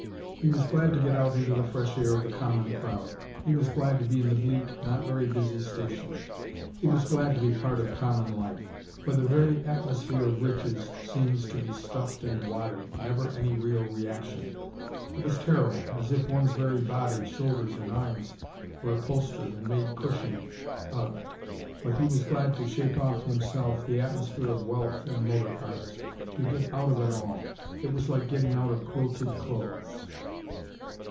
He was glad to get out into the fresh air of the common crowd. He was glad to be in the bleak, not very busy station. He was glad to be part of common life. For the very atmosphere of riches seems to be stuffed and wadded, never any real reaction. It was terrible, as if one's very body, shoulders and arms, were upholstered and made cushiony. Ugh, but he was glad to shake off himself the atmosphere of wealth and motor cars, to get out of it all. It was like getting out of quilted clothes.